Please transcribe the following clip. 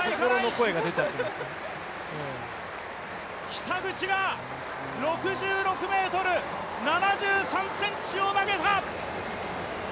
北口が６６ｍ７３ｃｍを投げた！